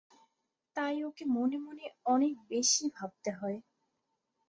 তাই ওকে মনে মনে অনেক বেশি ভাবতে হয়।